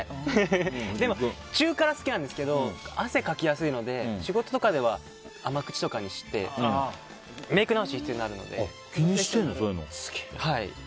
でも、中辛好きなんですけど汗かきやすいので仕事とかでは甘口とかにして気にしてるんだ、そういうの。